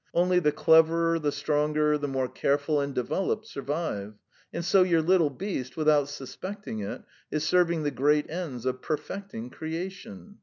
Only the cleverer, the stronger, the more careful and developed survive; and so your little beast, without suspecting it, is serving the great ends of perfecting creation."